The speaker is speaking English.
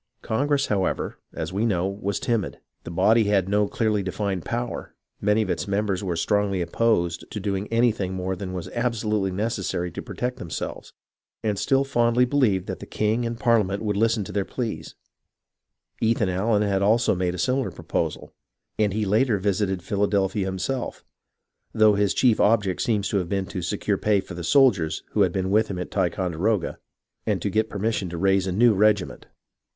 Congress, however, as we know, was timid. The body had no clearly defined power, many of its members were strongly opposed to doing anything more than was abso lutely necessary to protect themselves, and still fondly believed that the king and Parliament would listen to their pleas. Ethan Allen had also made a similar proposal, and later he visited Philadelphia himself, though his chief object seems to have been to secure pay for the soldiers who had been with him at Ticonderoga, and to get permission to raise a new regiment.